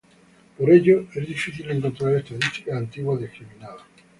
Por ello, es difícil encontrar estadísticas antiguas discriminadas.